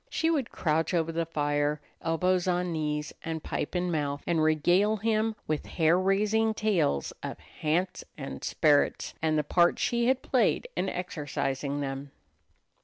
She would crouch over the fire, elbows on knees and pipe in mouth, and regale him with hair raising tales of "hants" and "sperrits" and the part she had played in exorcising them.